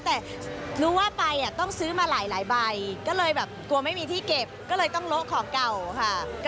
แต่รู้ว่าไปอ่ะต้องซื้อมาหลายใบก็เลยแบบกลัวไม่มีที่เก็บก็เลยต้องโละของเก่าค่ะ